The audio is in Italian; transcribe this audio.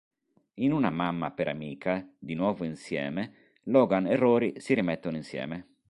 In una mamma per amica di nuovo insieme Logan e Rory si rimettono insieme